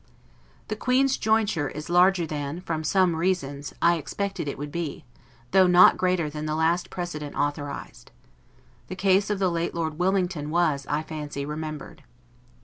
The Queen's jointure is larger than, from SOME REASONS, I expected it would be, though not greater than the very last precedent authorized. The case of the late Lord Wilmington was, I fancy, remembered.